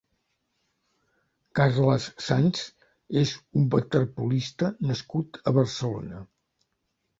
Carles Sans és un waterpolista nascut a Barcelona.